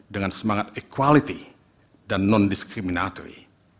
dengan semangat equality dan non diskriminatory